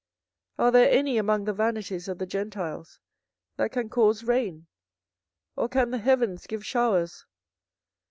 24:014:022 Are there any among the vanities of the Gentiles that can cause rain? or can the heavens give showers?